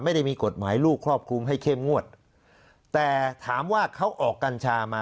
ไม่ได้มีกฎหมายลูกครอบคลุมให้เข้มงวดแต่ถามว่าเขาออกกัญชามา